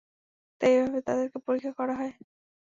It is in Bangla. তাই এভাবে তাদেরকে পরীক্ষা করা হয়।